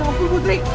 ya ampun putri